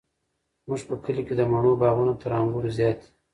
زموږ په کلي کې د مڼو باغونه تر انګورو زیات دي.